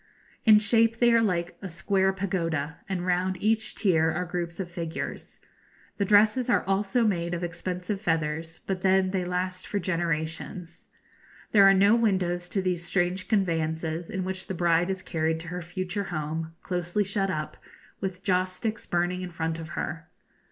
In shape they are like a square pagoda, and round each tier are groups of figures. The dresses are also made of expensive feathers, but then they last for generations. There are no windows to these strange conveyances, in which the bride is carried to her future home, closely shut up, with joss sticks burning in front of her.